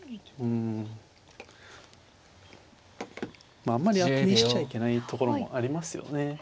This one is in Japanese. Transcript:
まああんまり当てにしちゃいけないところもありますよね。